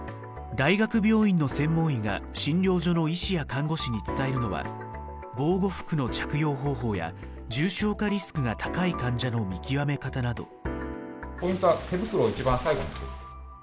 大学病院の専門医が診療所の医師や看護師に伝えるのは防護服の着用方法や重症化リスクが高い患者の見極め方など。